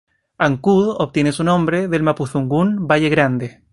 Ancud obtiene su nombre del mapudungun "valle grande".